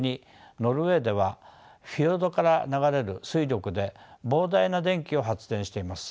ノルウェーではフィヨルドから流れる水力で膨大な電気を発電しています。